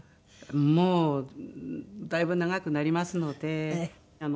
もうだいぶ長くなりますのであの。